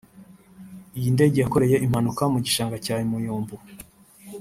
Iyi ndege yakoreye impanuka mu gishanga cya Muyumbu